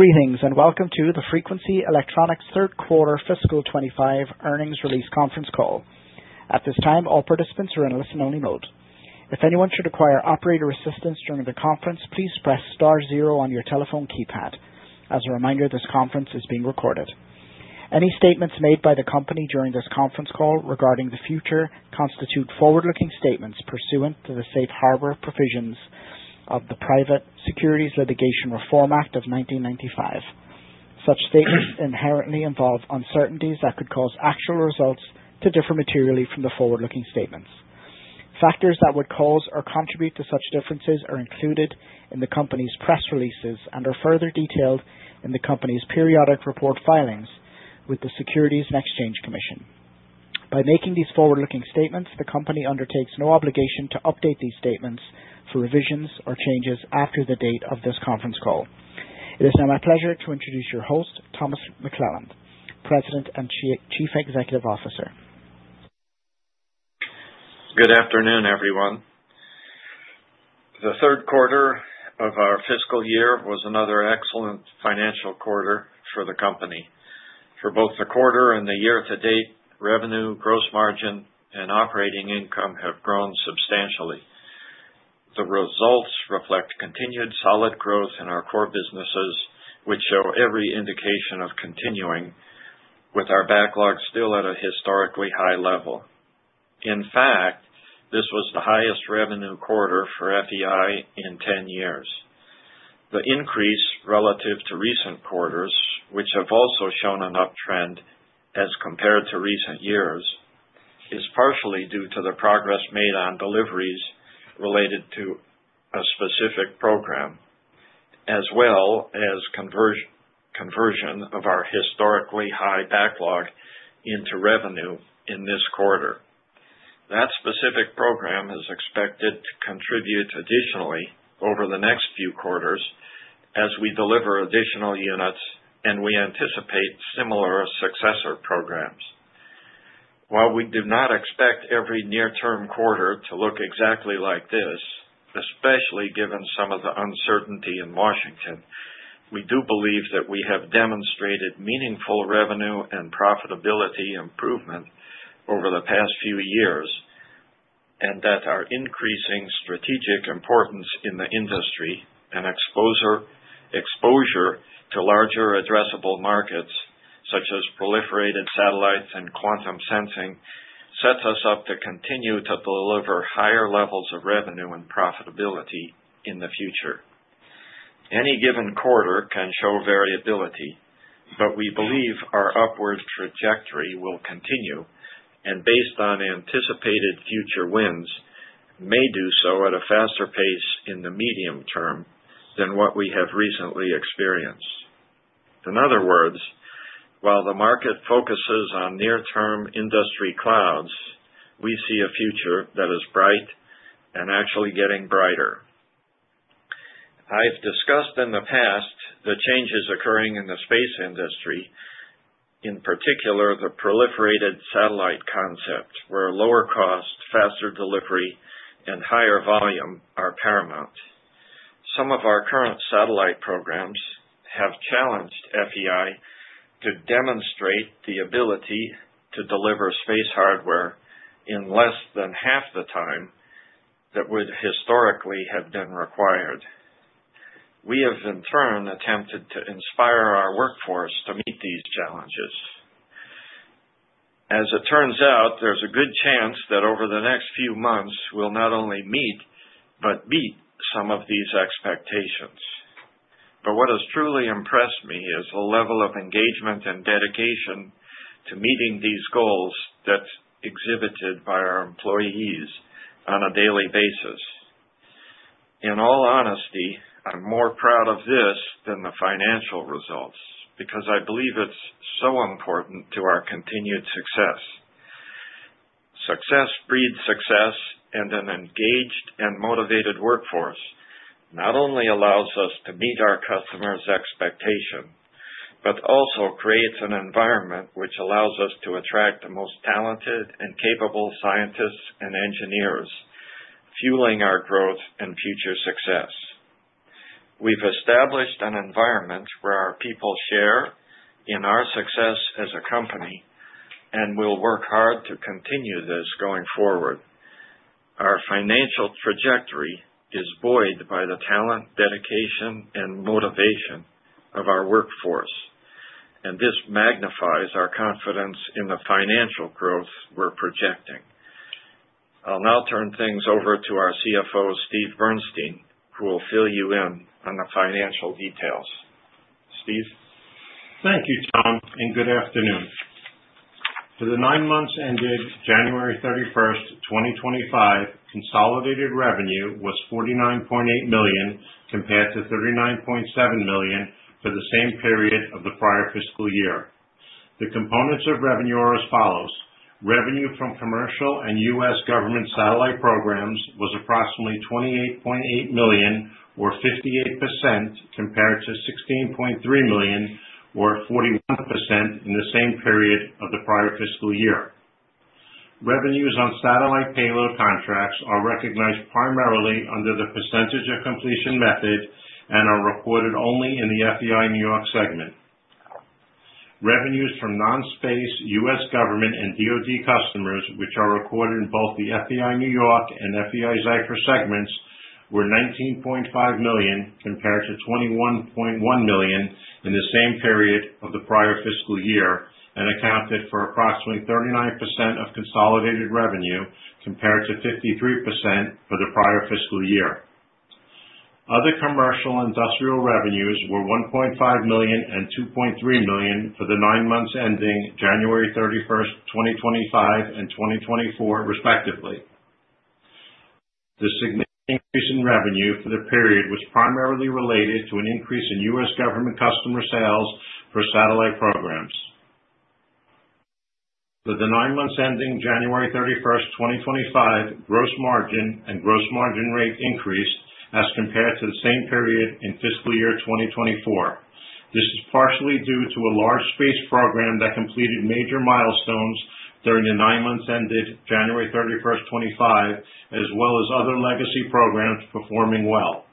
Greetings and welcome to the Frequency Electronics Third Quarter Fiscal 2025 Earnings Release Conference Call. At this time, all participants are in listen-only mode. If anyone should require operator assistance during the conference, please press star zero on your telephone keypad. As a reminder, this conference is being recorded. Any statements made by the company during this conference call regarding the future constitute forward-looking statements pursuant to the safe harbor provisions of the Private Securities Litigation Reform Act of 1995. Such statements inherently involve uncertainties that could cause actual results to differ materially from the forward-looking statements. Factors that would cause or contribute to such differences are included in the company's press releases and are further detailed in the company's periodic report filings with the Securities and Exchange Commission. By making these forward-looking statements, the company undertakes no obligation to update these statements for revisions or changes after the date of this conference call. It is now my pleasure to introduce your host, Thomas McClelland, President and Chief Executive Officer. Good afternoon, everyone. The third quarter of our fiscal year was another excellent financial quarter for the company. For both the quarter and the year to date, revenue, gross margin, and operating income have grown substantially. The results reflect continued solid growth in our core businesses, which show every indication of continuing, with our backlog still at a historically high level. In fact, this was the highest revenue quarter for FEI in 10 years. The increase relative to recent quarters, which have also shown an uptrend as compared to recent years, is partially due to the progress made on deliveries related to a specific program, as well as conversion of our historically high backlog into revenue in this quarter. That specific program is expected to contribute additionally over the next few quarters as we deliver additional units, and we anticipate similar successor programs. While we do not expect every near-term quarter to look exactly like this, especially given some of the uncertainty in Washington, we do believe that we have demonstrated meaningful revenue and profitability improvement over the past few years and that our increasing strategic importance in the industry and exposure to larger addressable markets, such as proliferated satellites and quantum sensing, sets us up to continue to deliver higher levels of revenue and profitability in the future. Any given quarter can show variability, but we believe our upward trajectory will continue and, based on anticipated future wins, may do so at a faster pace in the medium term than what we have recently experienced. In other words, while the market focuses on near-term industry clouds, we see a future that is bright and actually getting brighter. I've discussed in the past the changes occurring in the space industry, in particular the proliferated satellite concept, where lower cost, faster delivery, and higher volume are paramount. Some of our current satellite programs have challenged FEI to demonstrate the ability to deliver space hardware in less than half the time that would historically have been required. We have, in turn, attempted to inspire our workforce to meet these challenges. As it turns out, there's a good chance that over the next few months we'll not only meet but beat some of these expectations. What has truly impressed me is the level of engagement and dedication to meeting these goals that's exhibited by our employees on a daily basis. In all honesty, I'm more proud of this than the financial results because I believe it's so important to our continued success. Success breeds success, and an engaged and motivated workforce not only allows us to meet our customers' expectations but also creates an environment which allows us to attract the most talented and capable scientists and engineers, fueling our growth and future success. We've established an environment where our people share in our success as a company, and we'll work hard to continue this going forward. Our financial trajectory is buoyed by the talent, dedication, and motivation of our workforce, and this magnifies our confidence in the financial growth we're projecting. I'll now turn things over to our CFO, Steve Bernstein, who will fill you in on the financial details. Steve? Thank you, Tom, and good afternoon. For the nine months ended January 31, 2025, consolidated revenue was $49.8 million compared to $39.7 million for the same period of the prior fiscal year. The components of revenue are as follows. Revenue from commercial and U.S. government satellite programs was approximately $28.8 million, or 58%, compared to $16.3 million, or 41%, in the same period of the prior fiscal year. Revenues on satellite payload contracts are recognized primarily under the percentage of completion method and are recorded only in the FEI New York segment. Revenues from non-space U.S. government and DoD customers, which are recorded in both the FEI New York and FEI-Zyfer segments, were $19.5 million compared to $21.1 million in the same period of the prior fiscal year and accounted for approximately 39% of consolidated revenue compared to 53% for the prior fiscal year. Other commercial industrial revenues were $1.5 million and $2.3 million for the nine months ending January 31, 2025, and 2024, respectively. The significant increase in revenue for the period was primarily related to an increase in U.S. government customer sales for satellite programs. For the nine months ending January 31, 2025, gross margin and gross margin rate increased as compared to the same period in fiscal year 2024. This is partially due to a large space program that completed major milestones during the nine months ended January 31, 2025, as well as other legacy programs performing well.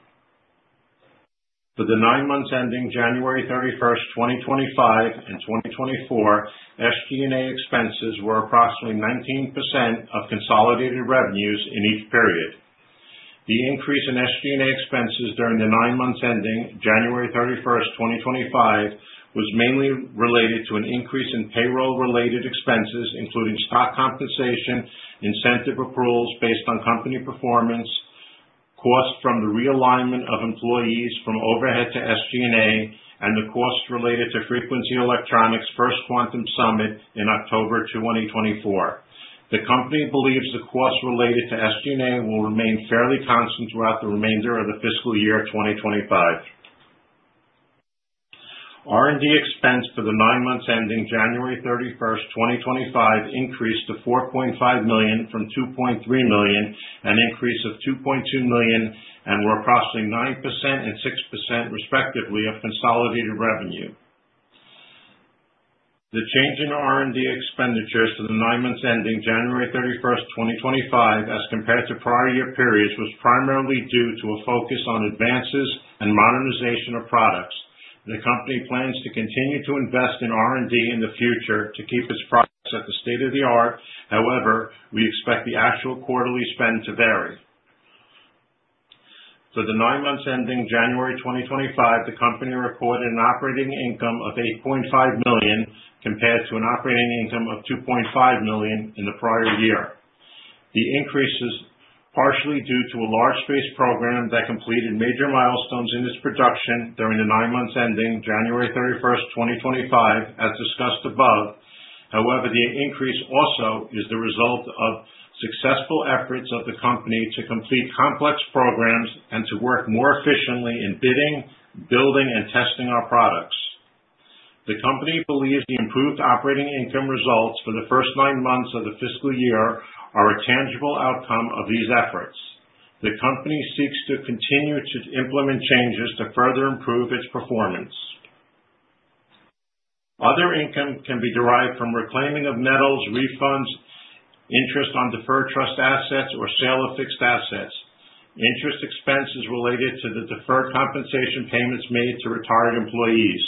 For the nine months ending January 31, 2025, and 2024, SG&A expenses were approximately 19% of consolidated revenues in each period. The increase in SG&A expenses during the nine months ending January 31, 2025, was mainly related to an increase in payroll-related expenses, including stock compensation, incentive accruals based on company performance, costs from the realignment of employees from overhead to SG&A, and the costs related to Frequency Electronics' first quantum summit in October 2024. The company believes the costs related to SG&A will remain fairly constant throughout the remainder of the fiscal year 2025. R&D expense for the nine months ending January 31, 2025, increased to $4.5 million from $2.3 million, an increase of $2.2 million, and were approximately 9% and 6%, respectively, of consolidated revenue. The change in R&D expenditures for the nine months ending January 31, 2025, as compared to prior year periods, was primarily due to a focus on advances and modernization of products. The company plans to continue to invest in R&D in the future to keep its products at the state-of-the-art. However, we expect the actual quarterly spend to vary. For the nine months ending January 2025, the company reported an operating income of $8.5 million compared to an operating income of $2.5 million in the prior year. The increase is partially due to a large space program that completed major milestones in its production during the nine months ending January 31, 2025, as discussed above. However, the increase also is the result of successful efforts of the company to complete complex programs and to work more efficiently in bidding, building, and testing our products. The company believes the improved operating income results for the first nine months of the fiscal year are a tangible outcome of these efforts. The company seeks to continue to implement changes to further improve its performance. Other income can be derived from reclaiming of metals, refunds, interest on deferred trust assets, or sale of fixed assets. Interest expenses related to the deferred compensation payments made to retired employees.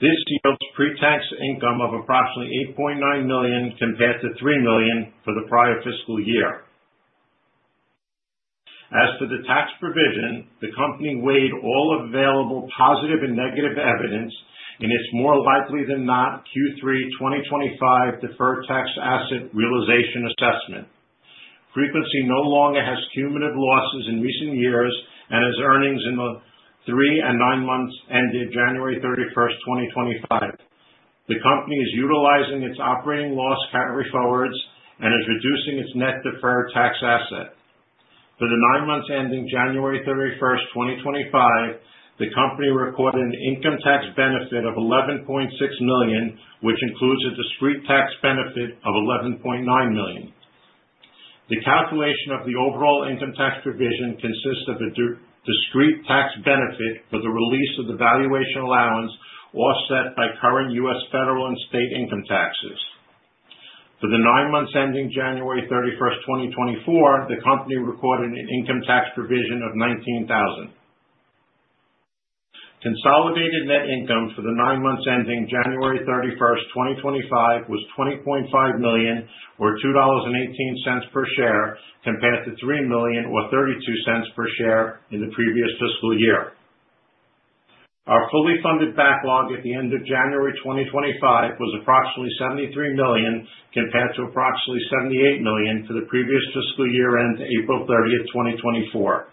This yields pre-tax income of approximately $8.9 million compared to $3 million for the prior fiscal year. As for the tax provision, the company weighed all available positive and negative evidence in its more likely than not Q3 2025 deferred tax asset realization assessment. Frequency no longer has cumulative losses in recent years and has earnings in the three and nine months ended January 31, 2025. The company is utilizing its operating loss carry forwards and is reducing its net deferred tax asset. For the nine months ending January 31, 2025, the company recorded an income tax benefit of $11.6 million, which includes a discrete tax benefit of $11.9 million. The calculation of the overall income tax provision consists of a discrete tax benefit for the release of the valuation allowance offset by current U.S. federal and state income taxes. For the nine months ending January 31, 2024, the company recorded an income tax provision of $19,000. Consolidated net income for the nine months ending January 31, 2025, was $20.5 million, or $2.18 per share, compared to $3 million, or $0.32 per share in the previous fiscal year. Our fully funded backlog at the end of January 2025 was approximately $73 million compared to approximately $78 million for the previous fiscal year end April 30, 2024.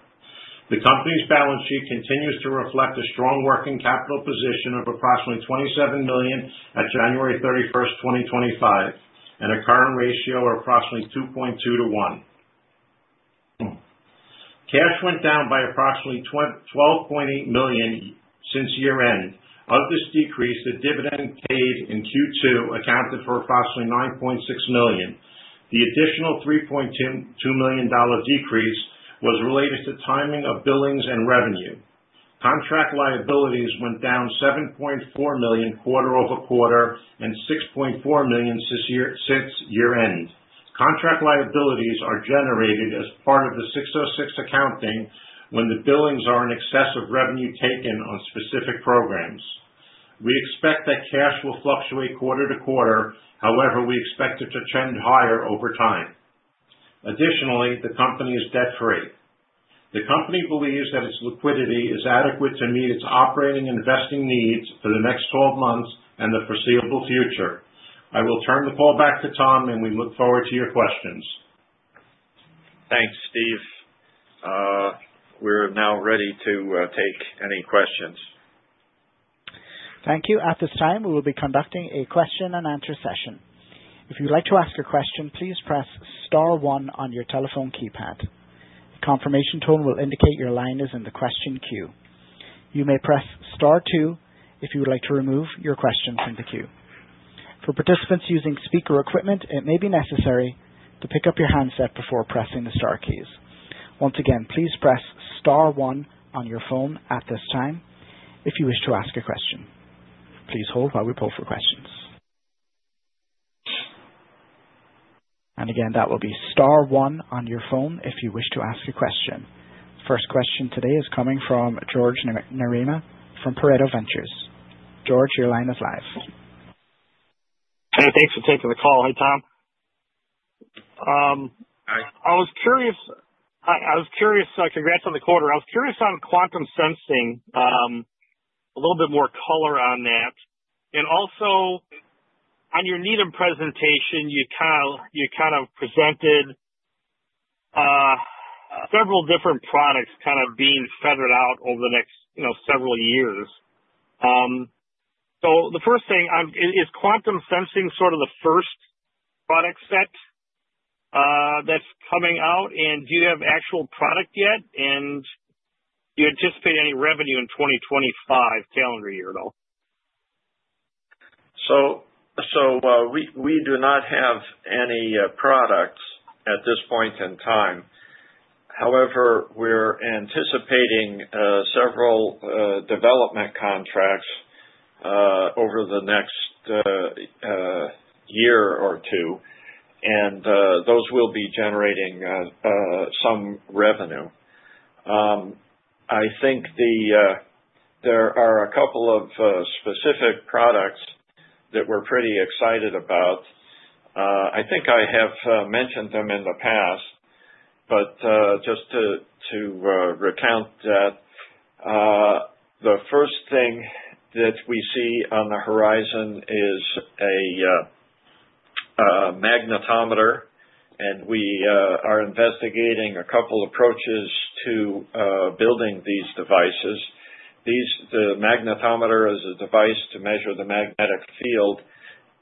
The company's balance sheet continues to reflect a strong working capital position of approximately $27 million at January 31, 2025, and a current ratio of approximately 2.2:1. Cash went down by approximately $12.8 million since year-end. Of this decrease, the dividend paid in Q2 accounted for approximately $9.6 million. The additional $3.2 million decrease was related to timing of billings and revenue. Contract liabilities went down $7.4 million quarter-over-quarter and $6.4 million since year-end. Contract liabilities are generated as part of the 606 accounting when the billings are in excess of revenue taken on specific programs. We expect that cash will fluctuate quarter to quarter; however, we expect it to trend higher over time. Additionally, the company is debt-free. The company believes that its liquidity is adequate to meet its operating investing needs for the next 12 months and the foreseeable future. I will turn the call back to Tom, and we look forward to your questions. Thanks, Steve. We're now ready to take any questions. Thank you. At this time, we will be conducting a question-and-answer session. If you'd like to ask a question, please press star one on your telephone keypad. The confirmation tone will indicate your line is in the question queue. You may press star two if you would like to remove your question from the queue. For participants using speaker equipment, it may be necessary to pick up your handset before pressing the Star keys. Once again, please press star one on your phone at this time if you wish to ask a question. Please hold while we pull for questions. That will be star one on your phone if you wish to ask a question. The first question today is coming from George Marema from Pareto Ventures. George, your line is live. Hey, thanks for taking the call. Hey, Tom. Hi. I was curious, congrats on the quarter. I was curious on quantum sensing, a little bit more color on that. Also, on your Needham presentation, you kind of presented several different products kind of being feathered out over the next several years. The first thing, is quantum sensing sort of the first product set that's coming out? Do you have actual product yet? Do you anticipate any revenue in 2025 calendar year at all? We do not have any products at this point in time. However, we're anticipating several development contracts over the next year or two, and those will be generating some revenue. I think there are a couple of specific products that we're pretty excited about. I think I have mentioned them in the past, but just to recount that, the first thing that we see on the horizon is a magnetometer, and we are investigating a couple of approaches to building these devices. The magnetometer is a device to measure the magnetic field,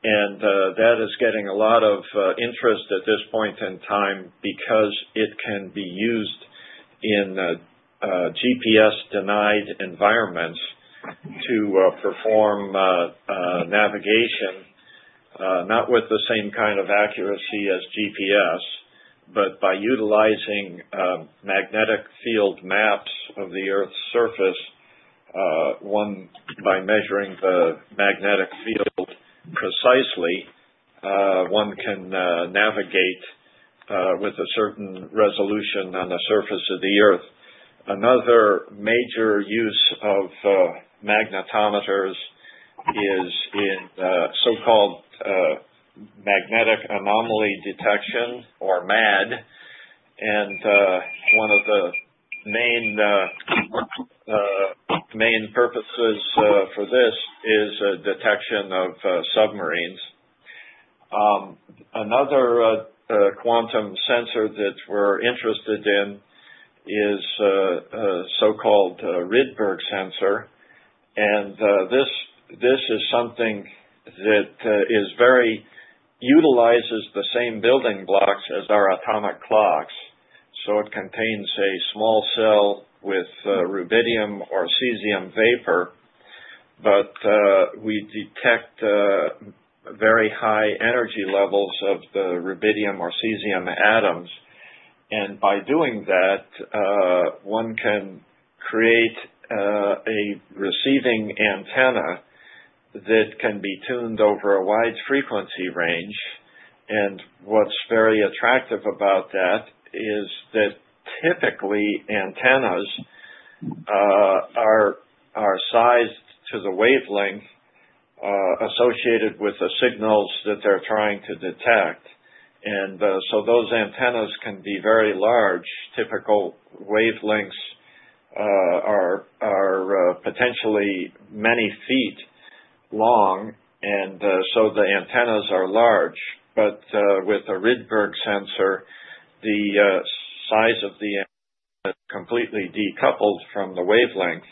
and that is getting a lot of interest at this point in time because it can be used in GPS-denied environments to perform navigation, not with the same kind of accuracy as GPS, but by utilizing magnetic field maps of the Earth's surface. By measuring the magnetic field precisely, one can navigate with a certain resolution on the surface of the Earth. Another major use of magnetometers is in so-called magnetic anomaly detection, or MAD. One of the main purposes for this is detection of submarines. Another quantum sensor that we're interested in is a so-called Rydberg sensor. This is something that utilizes the same building blocks as our atomic clocks. It contains a small cell with rubidium or cesium vapor, but we detect very high energy levels of the rubidium or cesium atoms. By doing that, one can create a receiving antenna that can be tuned over a wide frequency range. What's very attractive about that is that typically antennas are sized to the wavelength associated with the signals that they're trying to detect. Those antennas can be very large. Typical wavelengths are potentially many feet long, and so the antennas are large. With a Rydberg sensor, the size of the antenna is completely decoupled from the wavelength.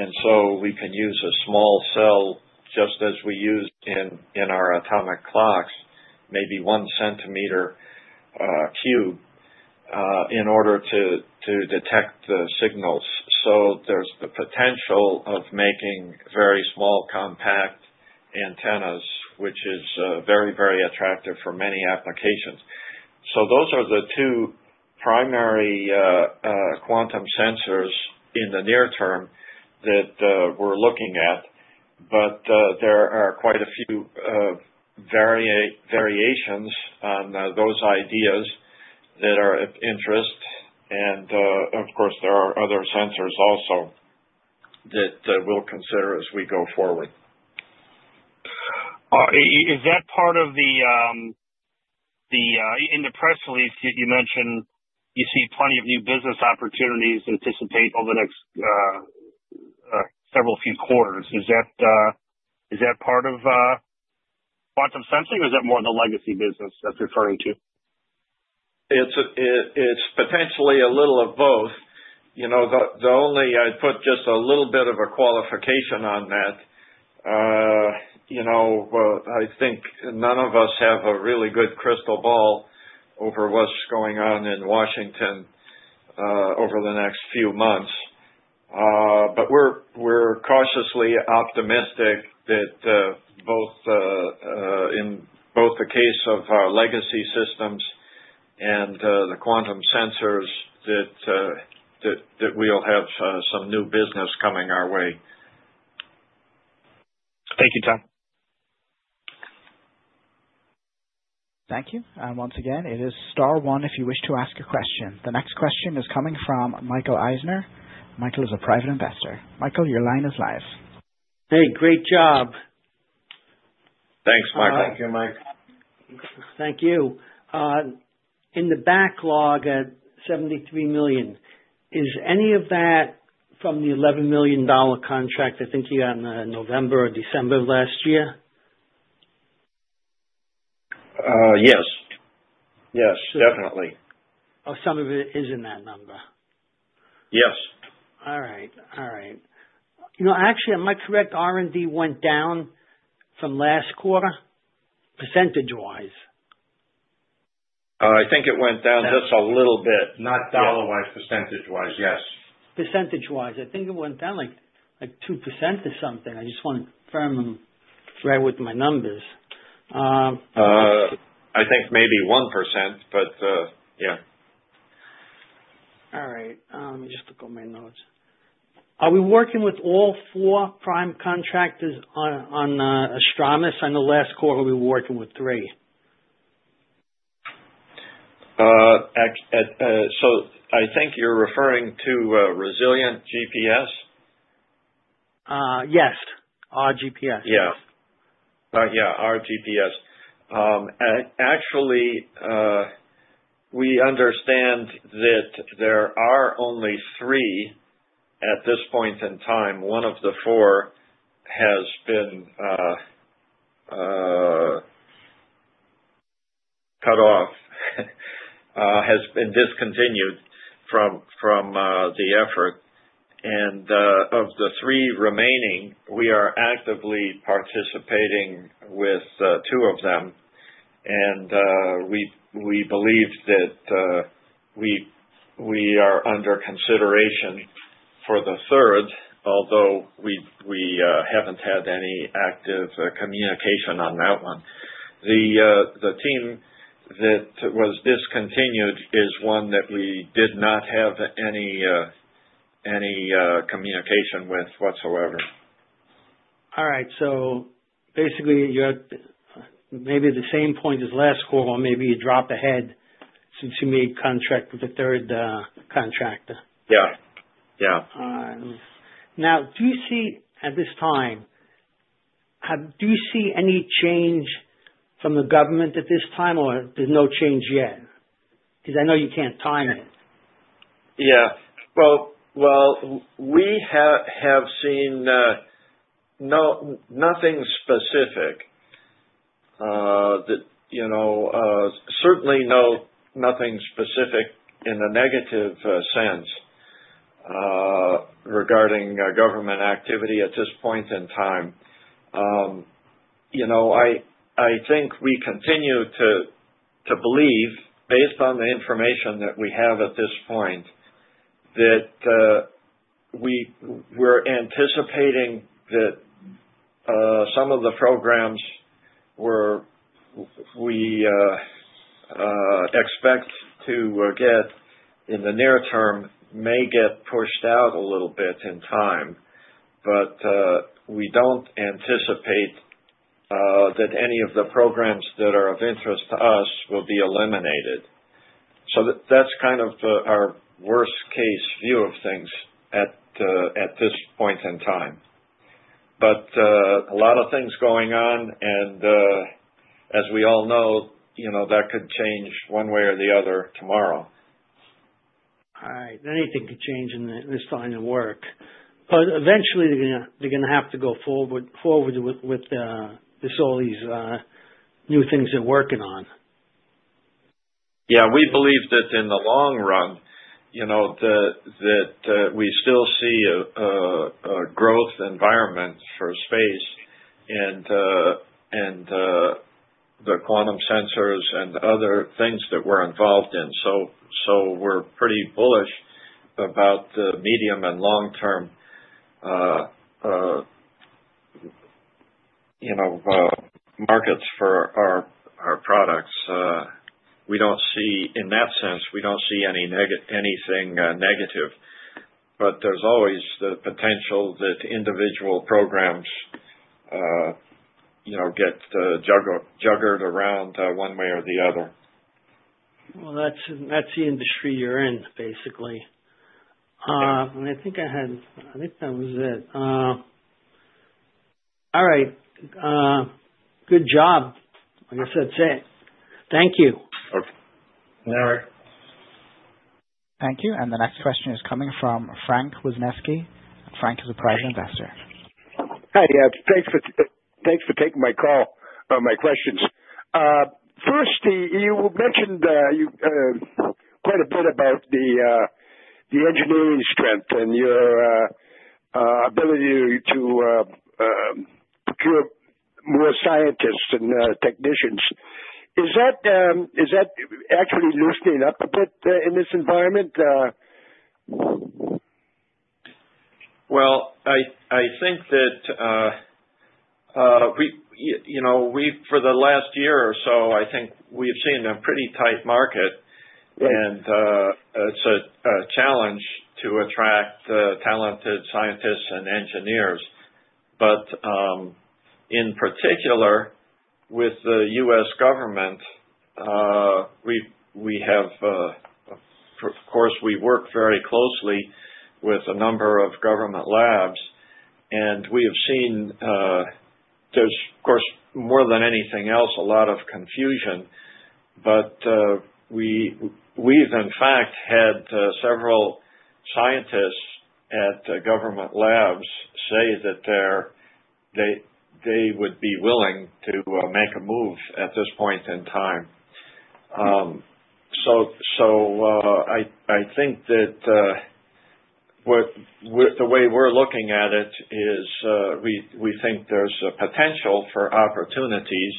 We can use a small cell, just as we use in our atomic clocks, maybe one centimeter cube, in order to detect the signals. There is the potential of making very small compact antennas, which is very, very attractive for many applications. Those are the two primary quantum sensors in the near term that we're looking at. There are quite a few variations on those ideas that are of interest. Of course, there are other sensors also that we'll consider as we go forward. Is that part of the, in the press release, you mentioned you see plenty of new business opportunities anticipated over the next several few quarters. Is that part of quantum sensing, or is that more the legacy business that's referring to? It's potentially a little of both. The only, I'd put just a little bit of a qualification on that. I think none of us have a really good crystal ball over what's going on in Washington over the next few months. We're cautiously optimistic that both in both the case of our legacy systems and the quantum sensors that we'll have some new business coming our way. Thank you, Tom. Thank you. Once again, it is star one if you wish to ask a question. The next question is coming from Michael Eisner. Michael is a private investor. Michael, your line is live. Hey, great job. Thanks, Michael. Thank you, Mike. Thank you. In the backlog at $73 million, is any of that from the $11 million contract I think you got in November or December of last year? Yes. Yes, definitely. Oh, some of it is in that number. Yes. All right. All right. Actually, am I correct? R&D went down from last quarter percentage-wise? I think it went down just a little bit. Not dollar-wise, percentage-wise, yes. Percentage-wise, I think it went down like 2% or something. I just want to confirm I'm right with my numbers. I think maybe 1%, but yeah. All right. Let me just look at my notes. Are we working with all four Prime Contractors on Astranis? I know last quarter we were working with three. I think you're referring to Resilient GPS? Yes. RGPS. Yes. Yeah, RGPS. Actually, we understand that there are only three at this point in time. One of the four has been cut off, has been discontinued from the effort. Of the three remaining, we are actively participating with two of them. We believe that we are under consideration for the third, although we haven't had any active communication on that one. The team that was discontinued is one that we did not have any communication with whatsoever. All right. So basically, you're at maybe the same point as last quarter, or maybe you dropped ahead since you made contract with the third contractor. Yeah. Yeah. All right. Now, do you see at this time, do you see any change from the government at this time, or there's no change yet? Because I know you can't time it. Yeah. We have seen nothing specific, certainly nothing specific in a negative sense regarding government activity at this point in time. I think we continue to believe, based on the information that we have at this point, that we're anticipating that some of the programs we expect to get in the near term may get pushed out a little bit in time. We do not anticipate that any of the programs that are of interest to us will be eliminated. That is kind of our worst-case view of things at this point in time. A lot of things are going on, and as we all know, that could change one way or the other tomorrow. All right. Anything could change in this line of work. Eventually, they're going to have to go forward with all these new things they're working on. Yeah. We believe that in the long run, that we still see a growth environment for space and the quantum sensors and other things that we're involved in. We're pretty bullish about the medium and long-term markets for our products. In that sense, we don't see anything negative. There's always the potential that individual programs get juggered around one way or the other. That's the industry you're in, basically. I think I had, I think that was it. All right. Good job. Like I said, thank you. Okay. All right. Thank you. The next question is coming from Frank Wisneski. Frank is a private investor. Hi. Thanks for taking my call, my questions. First, you mentioned quite a bit about the engineering strength and your ability to procure more scientists and technicians. Is that actually loosening up a bit in this environment? I think that for the last year or so, I think we've seen a pretty tight market, and it's a challenge to attract talented scientists and engineers. In particular, with the U.S. government, we have, of course, we work very closely with a number of government labs. We have seen, of course, more than anything else, a lot of confusion. We've, in fact, had several scientists at government labs say that they would be willing to make a move at this point in time. I think that the way we're looking at it is we think there's a potential for opportunities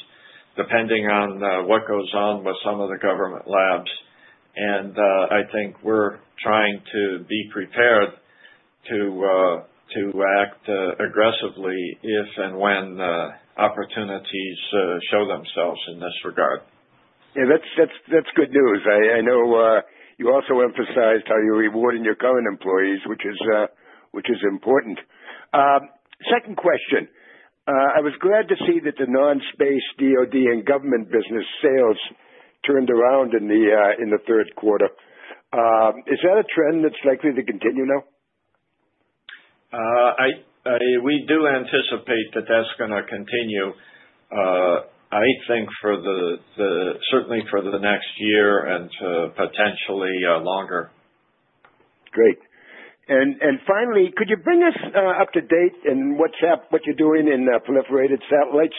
depending on what goes on with some of the government labs. I think we're trying to be prepared to act aggressively if and when opportunities show themselves in this regard. Yeah. That's good news. I know you also emphasized how you're rewarding your current employees, which is important. Second question. I was glad to see that the non-space, DoD, and government business sales turned around in the third quarter. Is that a trend that's likely to continue now? We do anticipate that that's going to continue, I think, certainly for the next year and potentially longer. Great. Finally, could you bring us up to date in what you're doing in proliferated satellites?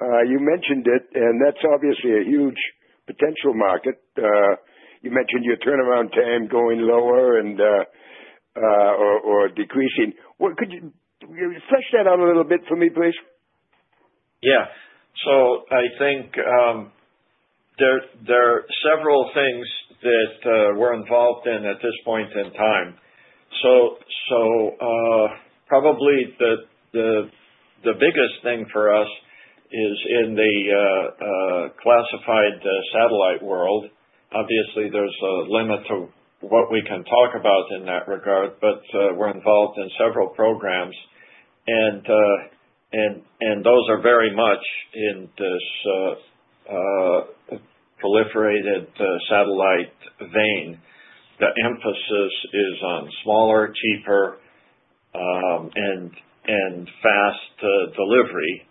You mentioned it, and that's obviously a huge potential market. You mentioned your turnaround time going lower or decreasing. Could you refresh that out a little bit for me, please? Yeah. I think there are several things that we're involved in at this point in time. Probably the biggest thing for us is in the classified satellite world. Obviously, there's a limit to what we can talk about in that regard, but we're involved in several programs. Those are very much in this proliferated satellite vein. The emphasis is on smaller, cheaper, and fast delivery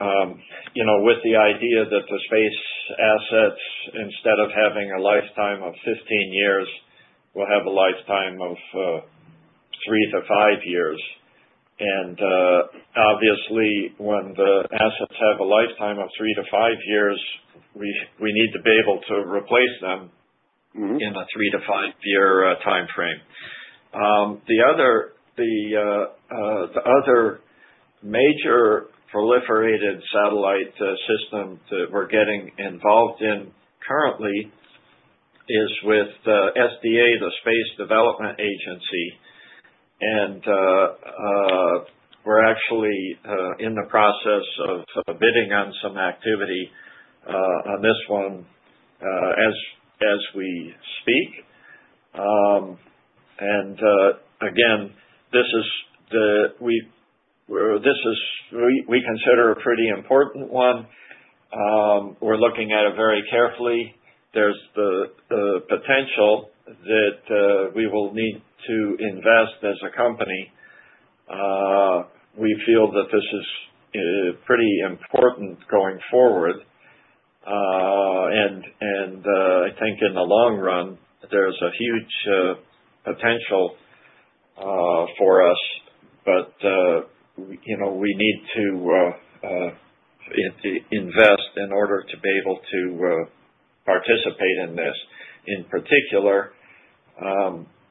with the idea that the space assets, instead of having a lifetime of 15 years, will have a lifetime of three to five years. Obviously, when the assets have a lifetime of three to five years, we need to be able to replace them in a three to five-year time frame. The other major proliferated satellite system that we're getting involved in currently is with the SDA, the Space Development Agency. We are actually in the process of bidding on some activity on this one as we speak. This is a pretty important one. We are looking at it very carefully. There is the potential that we will need to invest as a company. We feel that this is pretty important going forward. I think in the long run, there is a huge potential for us. We need to invest in order to be able to participate in this. In particular,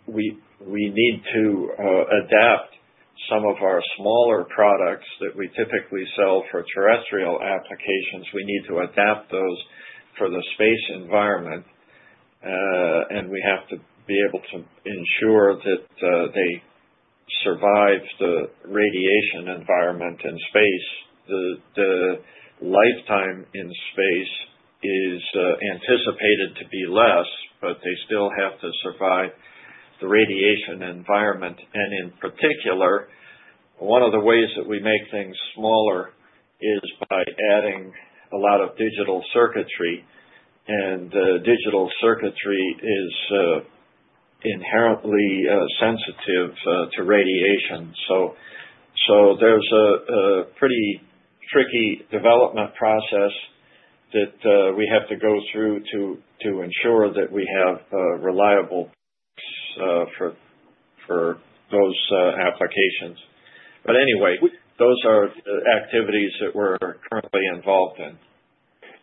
we need to adapt some of our smaller products that we typically sell for terrestrial applications. We need to adapt those for the space environment. We have to be able to ensure that they survive the radiation environment in space. The lifetime in space is anticipated to be less, but they still have to survive the radiation environment. In particular, one of the ways that we make things smaller is by adding a lot of digital circuitry. Digital circuitry is inherently sensitive to radiation. There is a pretty tricky development process that we have to go through to ensure that we have reliable for those applications. Anyway, those are the activities that we are currently involved in.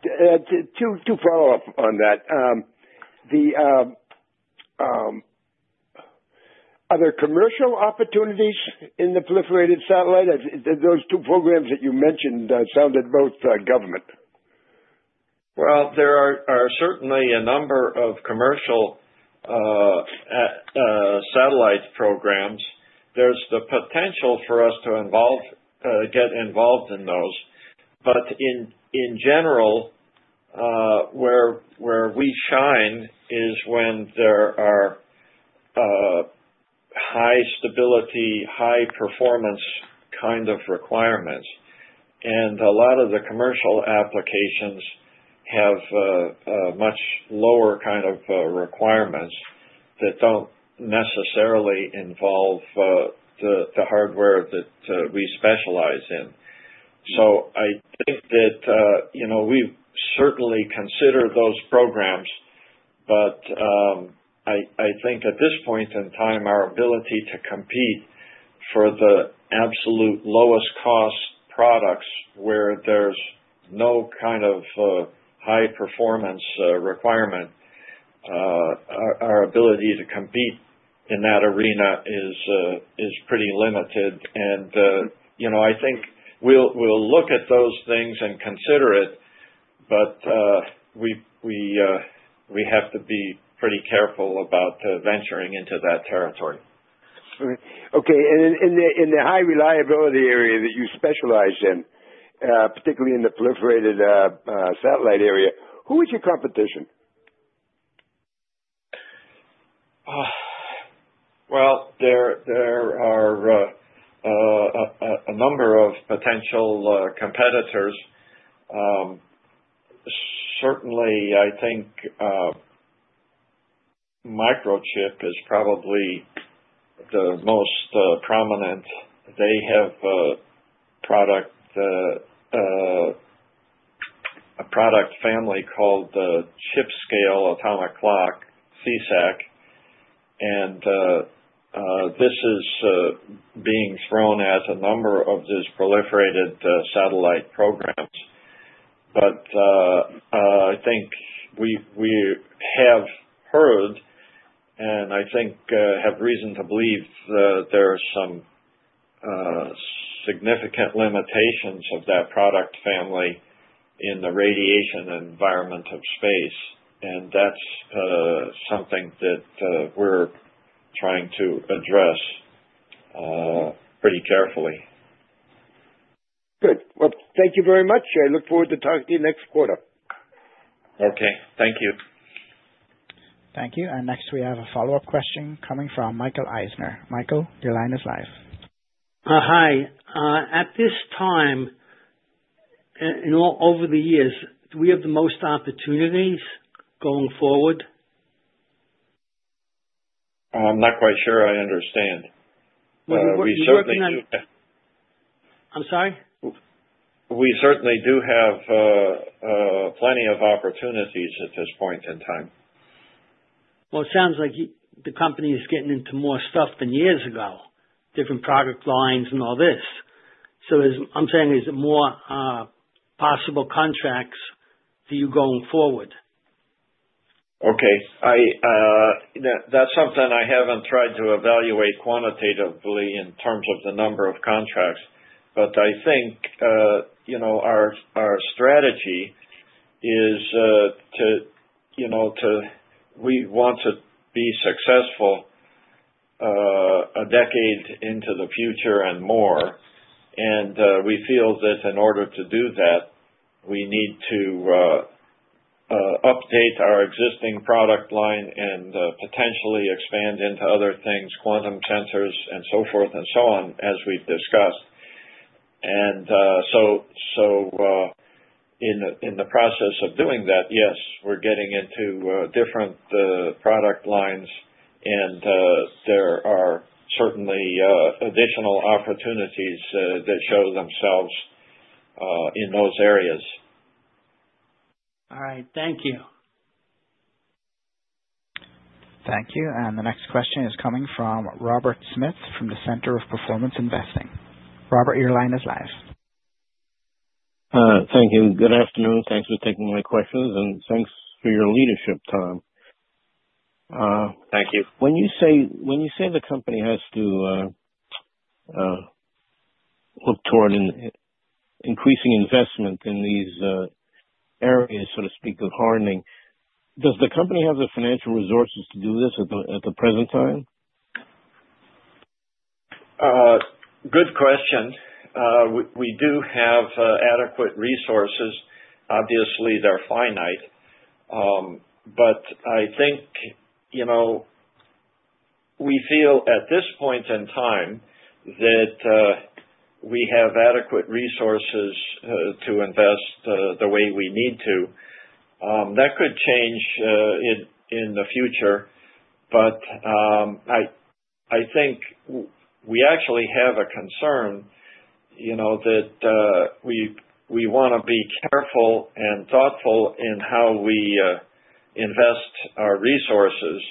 To follow up on that, are there commercial opportunities in the proliferated satellite? Those two programs that you mentioned sounded both government. There are certainly a number of commercial satellite programs. There is the potential for us to get involved in those. In general, where we shine is when there are high stability, high performance kind of requirements. A lot of the commercial applications have much lower kind of requirements that do not necessarily involve the hardware that we specialize in. I think that we certainly consider those programs. I think at this point in time, our ability to compete for the absolute lowest-cost products where there is no kind of high performance requirement, our ability to compete in that arena is pretty limited. I think we will look at those things and consider it, but we have to be pretty careful about venturing into that territory. Okay. In the high reliability area that you specialize in, particularly in the proliferated satellite area, who is your competition? There are a number of potential competitors. Certainly, I think Microchip is probably the most prominent. They have a product family called Chip Scale Atomic Clock, CSAC. This is being thrown at a number of these proliferated satellite programs. I think we have heard, and I think have reason to believe there are some significant limitations of that product family in the radiation environment of space. That is something that we are trying to address pretty carefully. Good. Thank you very much. I look forward to talking to you next quarter. Okay. Thank you. Thank you. Next, we have a follow-up question coming from Michael Eisner. Michael, your line is live. Hi. At this time, over the years, do we have the most opportunities going forward? I'm not quite sure I understand. We certainly do have. I'm sorry? We certainly do have plenty of opportunities at this point in time. It sounds like the company is getting into more stuff than years ago, different product lines and all this. I am saying, is it more possible contracts for you going forward? Okay. That's something I haven't tried to evaluate quantitatively in terms of the number of contracts. I think our strategy is to we want to be successful a decade into the future and more. We feel that in order to do that, we need to update our existing product line and potentially expand into other things, quantum sensors and so forth and so on, as we've discussed. In the process of doing that, yes, we're getting into different product lines. There are certainly additional opportunities that show themselves in those areas. All right. Thank you. Thank you. The next question is coming from Robert Smith from the Center for Performance Investing. Robert, your line is live. Thank you. Good afternoon. Thanks for taking my questions. Thanks for your leadership time. Thank you. When you say the company has to look toward increasing investment in these areas, so to speak, of hardening, does the company have the financial resources to do this at the present time? Good question. We do have adequate resources. Obviously, they're finite. I think we feel at this point in time that we have adequate resources to invest the way we need to. That could change in the future. I think we actually have a concern that we want to be careful and thoughtful in how we invest our resources.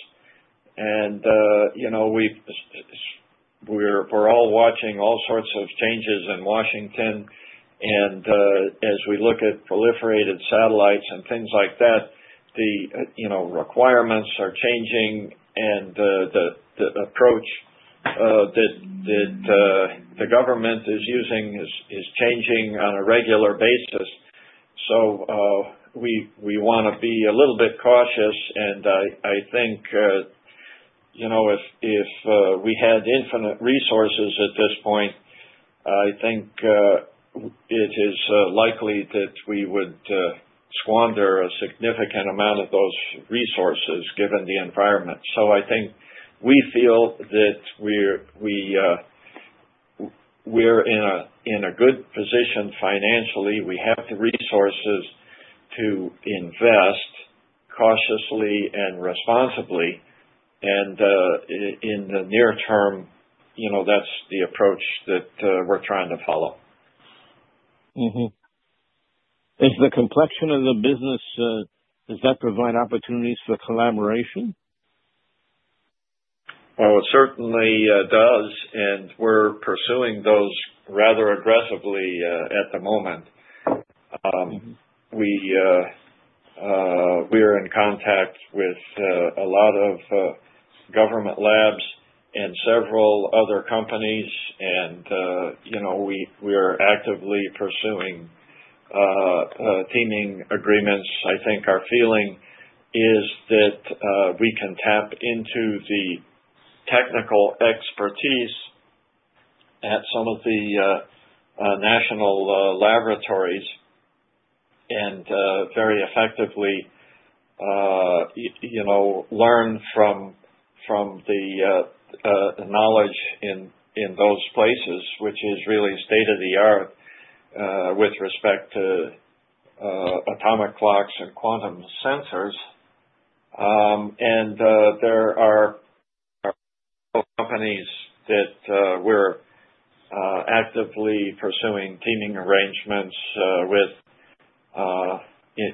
We're all watching all sorts of changes in Washington. As we look at proliferated satellites and things like that, the requirements are changing. The approach that the government is using is changing on a regular basis. We want to be a little bit cautious. I think if we had infinite resources at this point, I think it is likely that we would squander a significant amount of those resources given the environment. I think we feel that we're in a good position financially. We have the resources to invest cautiously and responsibly. In the near term, that's the approach that we're trying to follow. Is the complexion of the business, does that provide opportunities for collaboration? Oh, it certainly does. We are pursuing those rather aggressively at the moment. We are in contact with a lot of government labs and several other companies. We are actively pursuing teaming agreements. I think our feeling is that we can tap into the technical expertise at some of the national laboratories and very effectively learn from the knowledge in those places, which is really state-of-the-art with respect to atomic clocks and quantum sensors. There are companies that we are actively pursuing teaming arrangements with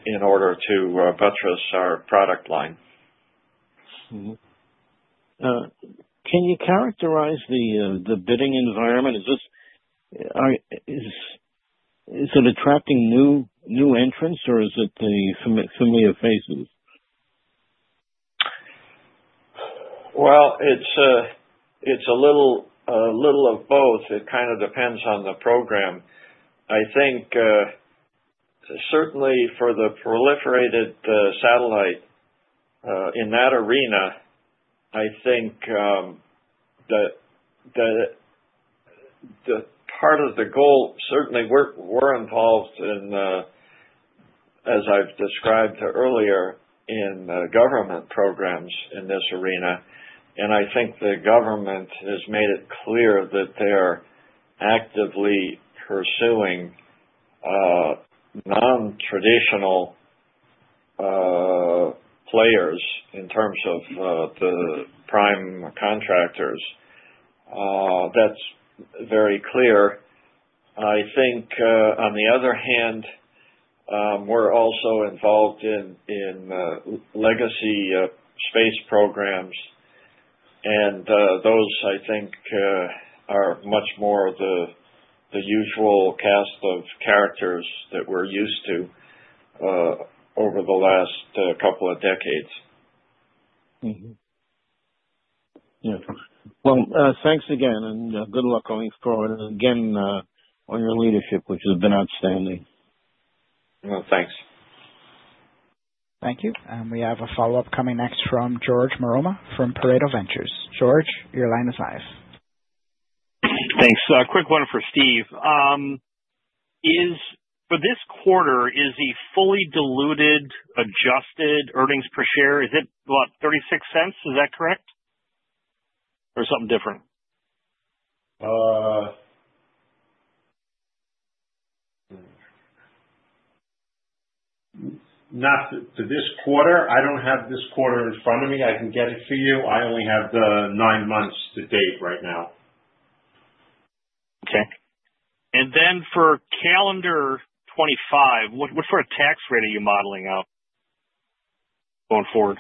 in order to buttress our product line. Can you characterize the bidding environment? Is it attracting new entrants, or is it the familiar faces? It is a little of both. It kind of depends on the program. I think certainly for the proliferated satellite in that arena, I think that part of the goal certainly we are involved in, as I have described earlier, in government programs in this arena. I think the government has made it clear that they are actively pursuing non-traditional players in terms of the Prime Contractors. That is very clear. I think on the other hand, we are also involved in legacy space programs. Those, I think, are much more the usual cast of characters that we are used to over the last couple of decades. Yeah. Thanks again. Good luck going forward. Again, on your leadership, which has been outstanding. Well, thanks. Thank you. We have a follow-up coming next from George Marema from Pareto Ventures. George, your line is live. Thanks. Quick one for Steve. For this quarter, is the fully diluted adjusted earnings per share, is it about $0.36? Is that correct? Or something different? Not for this quarter. I don't have this quarter in front of me. I can get it for you. I only have the nine months to date right now. Okay. And then for calendar 2025, what sort of tax rate are you modeling out going forward?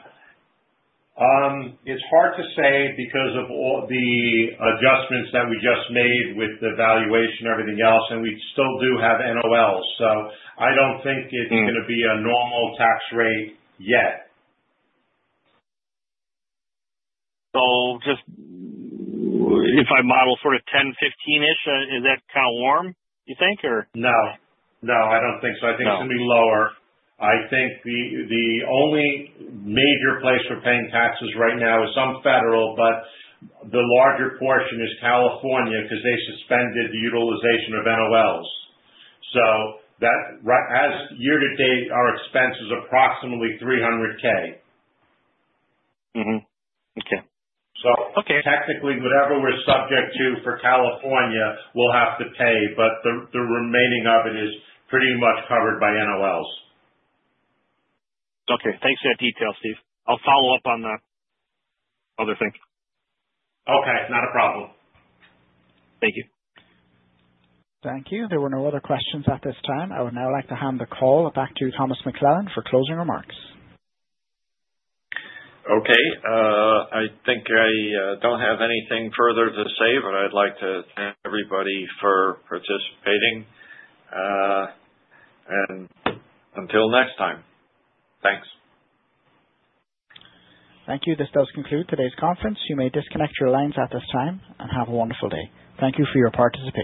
It's hard to say because of all the adjustments that we just made with the valuation and everything else. We still do have NOLs. I don't think it's going to be a normal tax rate yet. If I model for a 10, 15-ish, is that kind of warm, you think, or? No. No, I don't think so. I think it's going to be lower. I think the only major place for paying taxes right now is some federal, but the larger portion is California because they suspended the utilization of NOLs. As year to date, our expense is approximately $300,000. Okay. Technically, whatever we're subject to for California, we'll have to pay. The remaining of it is pretty much covered by NOLs. Okay. Thanks for that detail, Steve. I'll follow up on that other thing. Okay. Not a problem. Thank you. Thank you. There were no other questions at this time. I would now like to hand the call back to Thomas McClelland for closing remarks. Okay. I think I don't have anything further to say, but I'd like to thank everybody for participating. Until next time. Thanks. Thank you. This does conclude today's conference. You may disconnect your lines at this time and have a wonderful day. Thank you for your participation.